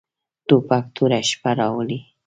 توپک توره شپه راولي.